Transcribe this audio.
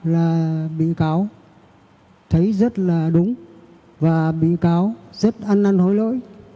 là bị cáo thấy rất là đúng và bị cáo rất ăn năn hối lỗi